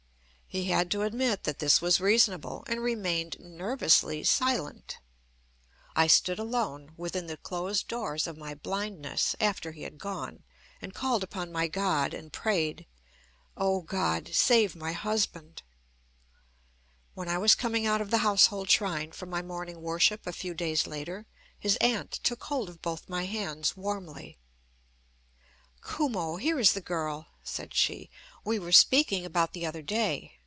He had to admit that this was reasonable, and remained nervously silent. I stood alone within the closed doors of my blindness after he had gone, and called upon my God and prayed: "O God, save my husband." When I was coming out of the household shrine from my morning worship a few days later, his aunt took hold of both my hands warmly. "Kumo, here is the girl," said she, "we were speaking about the other day.